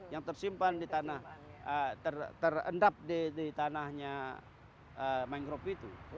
yang tersimpan di tanah terendap di tanahnya mangrove itu